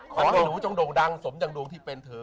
ขอให้หนูจงโด่งดังสมดังดวงที่เป็นเธอ